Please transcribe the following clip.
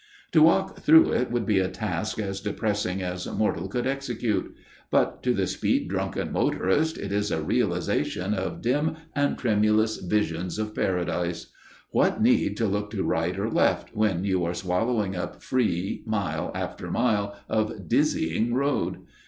To walk through it would be a task as depressing as mortal could execute. But to the speed drunken motorist it is a realization of dim and tremulous visions of Paradise. What need to look to right or left when you are swallowing up free mile after mile of dizzying road?